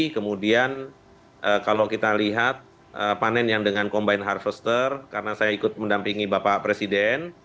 kemudian kalau kita lihat panen yang dengan combine harvester karena saya ikut mendampingi bapak presiden